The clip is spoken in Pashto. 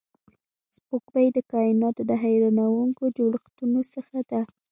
سپوږمۍ د کایناتو د حیرانونکو جوړښتونو څخه ده